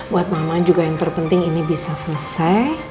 buat mama juga yang terpenting ini bisa selesai